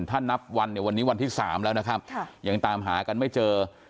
ถ้านับวันเนี่ยวันนี้วันที่๓แล้วนะครับยังตามหากันไม่เจอ